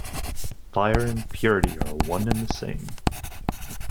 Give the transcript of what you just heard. Fire and purity are one and the same.